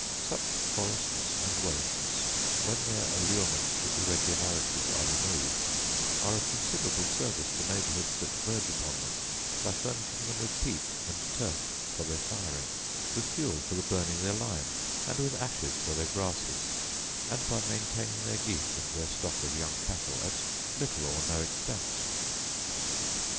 Such forests and wastes, when their allurements to irregularities are removed, are of considerable service to neighbourhoods that verge upon them, by furnishing them with peat and turf for their firing; with fuel for the burning their lime; and with ashes for their grasses; and by maintaining their geese and their stock of young cattle at little or no expense.